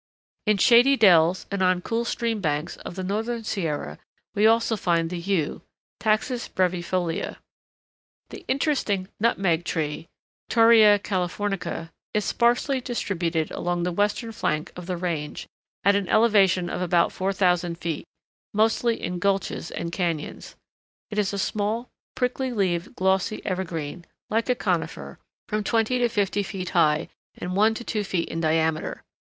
In shady dells and on cool stream banks of the northern Sierra we also find the Yew (Taxus brevifolia). The interesting Nutmeg Tree (Torreya Californica) is sparsely distributed along the western flank of the range at an elevation of about 4000 feet, mostly in gulches and cañons. It is a small, prickly leaved, glossy evergreen, like a conifer, from twenty to fifty feet high, and one to two feet in diameter.